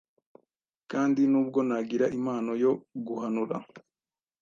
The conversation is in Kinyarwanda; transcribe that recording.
kandi nubwo nagira impano yo guhanura,